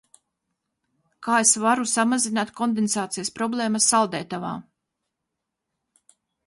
Kā es varu samazināt kondensācijas problēmas saldētavā?